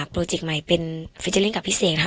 โปรจิกต์ใหม่เป็นเป็นกับพิเศษนะคะ